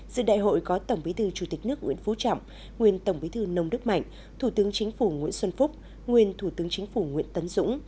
dự đại hội có tổng bí thư chủ tịch nước nguyễn phú trọng nguyên tổng bí thư nông đức mạnh thủ tướng chính phủ nguyễn xuân phúc nguyên thủ tướng chính phủ nguyễn tấn dũng